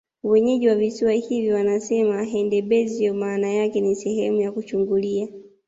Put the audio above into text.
Wenyeji wa Visiwa hivi wanasema Handebezyo maana yake ni Sehemu ya kuchungulia